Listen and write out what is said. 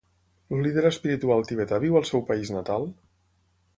El líder espiritual tibetà viu al seu país natal?